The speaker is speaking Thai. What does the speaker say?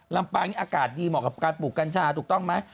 ลำปางนี่อากาศดีเหมาะกับการปลูกกัญชาถูกต้องไหม